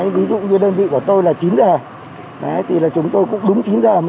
ví dụ như đơn vị của tôi là chín giờ thì là chúng tôi cũng đúng chín giờ mới dám đến